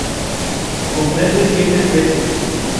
Comprende siete especies.